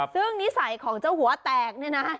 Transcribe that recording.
ซึ่งนิสัยของเจ้าหัวแตกเนี่ยนะ